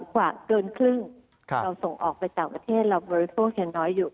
กว่าเกินครึ่งเราส่งออกไปต่างประเทศเราบริโภคยังน้อยอยู่